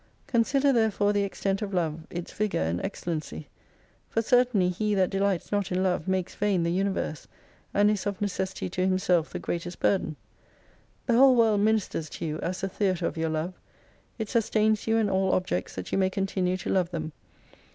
Consider therefore the extent of Love, its vigour and excellency. For certainly he that delights not in Love makes vain the universe, and is of necessity to himself the greatest burden. The whole world ministers to you as the theatre of your Love. It sus tains you and all objects that you may continue to love them.